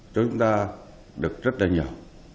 cho chúng ta được rất là nhiều